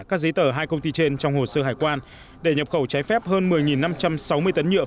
các giấy tờ hai công ty trên trong hồ sơ hải quan để nhập khẩu trái phép hơn một mươi năm trăm sáu mươi tấn nhựa